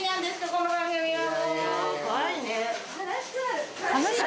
この番組はもう。